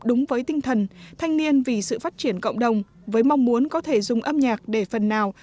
đúng với tinh thần thanh niên vì sự phát triển cộng đồng với mong muốn có thể dùng âm nhạc để phần nào